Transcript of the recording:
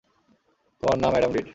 তোমার নাম Adam read.